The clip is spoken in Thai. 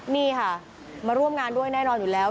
นี่ค่ะมาร่วมงานด้วยแน่นอนอยู่แล้ว